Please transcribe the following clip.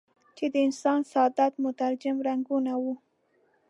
چې د انسان سعادت مترجم رنګونه وو.